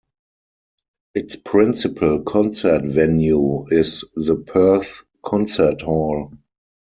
Its principal concert venue is the Perth Concert Hall.